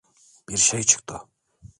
Bir şey çıktı.